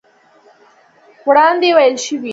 وړاندې ويل شوي